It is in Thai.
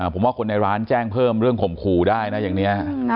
ผมว่าคนในร้านแจ้งเพิ่มเรื่องข่มขู่ได้นะอย่างนี้